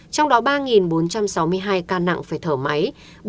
trong đó ba bốn trăm sáu mươi hai ca nặng phải thở máy bốn bốn mươi hai